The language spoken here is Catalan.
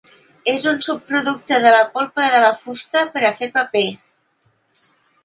És un subproducte de la polpa de la fusta per a fer paper.